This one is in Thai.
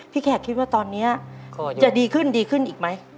แขกคิดว่าตอนนี้จะดีขึ้นดีขึ้นอีกไหม